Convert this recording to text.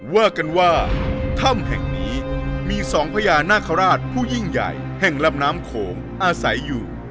ว่ากันว่าถ้ำแห่งนี้มีสองพญานาคาราชผู้ยิ่งใหญ่แห่งลำน้ำโขงอาศัยอยู่